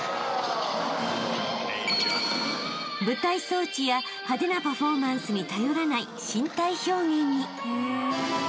［舞台装置や派手なパフォーマンスに頼らない］